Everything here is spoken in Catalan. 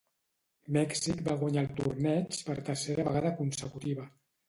Mèxic va guanyar el torneig per tercera vegada consecutiva.